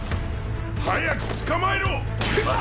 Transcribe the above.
早く捕まえろ！